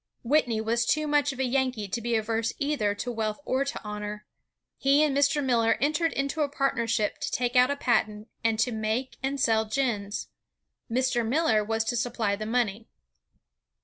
Whitney was too much of a Yankee to be averse either to wealth or to honor. He and Mr. Miller entered into a partnership to take out a patent, and to make and sell gins. Mr. Miller was to supply the money.